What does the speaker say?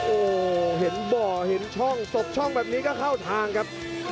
โอ้โหเห็นบ่อเห็นช่องสบช่องแบบนี้ก็เข้าทางครับ